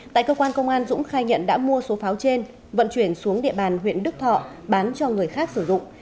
tại cơ quan công an dũng khai nhận đã mua số pháo trên vận chuyển xuống địa bàn huyện đức thọ bán cho người khác sử dụng